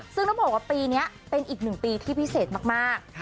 ซึ่งต้องบอกว่าปีนี้เป็นอีกหนึ่งปีที่พิเศษมาก